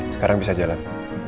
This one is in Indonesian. sekarang bisa jalan